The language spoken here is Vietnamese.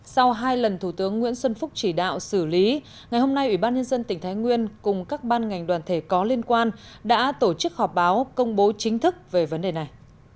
sau hai lần thủ tướng nguyễn xuân phúc chỉ đạo xử lý ngày hôm nay ủy ban nhân dân tỉnh thái nguyên cùng các ban ngành đoàn thể có liên quan đã tổ chức họp báo công bố chính thức về vấn đề này